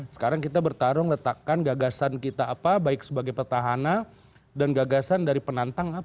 sekarang kita bertarung letakkan gagasan kita apa baik sebagai petahana dan gagasan dari penantang apa